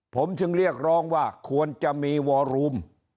ผมจึงเรียกร้องว่าควรจะมีวอรูม